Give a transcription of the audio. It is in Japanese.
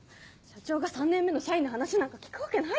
社長が３年目の社員の話なんか聞くわけないでしょ。